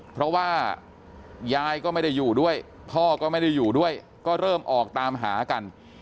เพราะว่ายายก็ไม่ได้อยู่ด้วยพ่อก็ไม่ได้อยู่ด้วยก็เริ่มออกตามหากัน